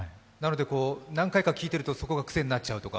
何回か聴いてるとそこがクセになっちゃうとか。